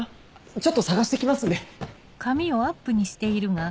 ちょっと探して来ますんで。